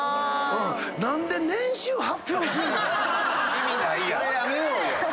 意味ないやん！